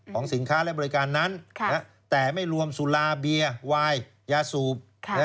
สินค้าและบริการนั้นแต่ไม่รวมสุราเบียร์วายยาสูบ